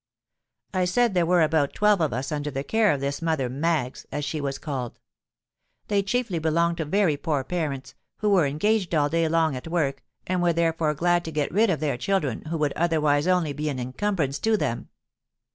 "I said there were about twelve of us under the care of this Mother Maggs—as she was called. They chiefly belonged to very poor parents, who were engaged all day long at work, and were therefore glad to get rid of their children, who would otherwise only be an encumbrance to them.